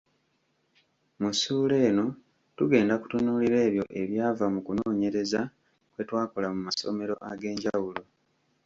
Mu ssuula eno tugenda kutunuulira ebyo ebyava mu kunoonyereza kwe twakola mu masomero ag'enjawulo.